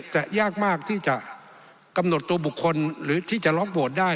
จะยากมากที่จะกำหนดตัวบุคคลหรือที่จะล็อกโหวตได้